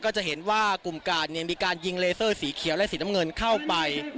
จะเห็นว่ากลุ่มกาดมีการยิงเลเซอร์สีเขียวและสีน้ำเงินเข้าไป